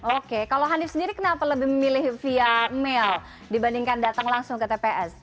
oke kalau hanif sendiri kenapa lebih memilih via mail dibandingkan datang langsung ke tps